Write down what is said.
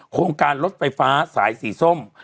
โครงการรถไฟฟ้าสายสีส้ม